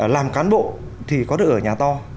làm cán bộ thì có được ở nhà to